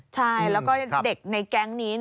ใช่แล้วก็เด็กในแก๊งนี้